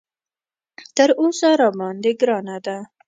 تر اوسه راباندې ګرانه ده.